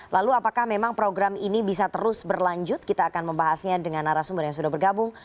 lalu apakah memang program ini bisa terus berlanjut kita akan membahasnya dengan arah sumber yang sudah bergabung